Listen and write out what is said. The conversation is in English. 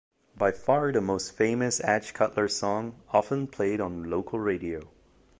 By far the most famous Adge Cutler song, often played on local radio.